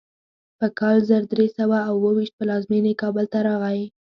په کال زر درې سوه اوو ویشت پلازمینې کابل ته راغی.